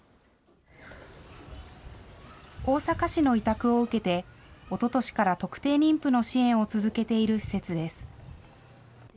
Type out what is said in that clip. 大阪市の委託を受けて、おととしから特定妊婦の支援を続けている施設です。